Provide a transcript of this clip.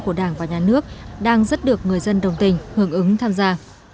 toàn dân của đảng và nhà nước đang rất được người dân đồng tình hưởng ứng tham gia